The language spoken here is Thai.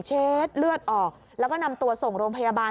เช็ดเลือดออกแล้วก็นำตัวส่งโรงพยาบาล